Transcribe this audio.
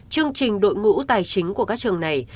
chương trình đội ngũ tài chính của các trường này